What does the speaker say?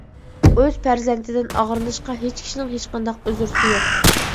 ئۆز پەرزەنتىدىن ئاغرىنىشقا ھېچ كىشىنىڭ ھېچقانداق ئۆزرىسى يوق.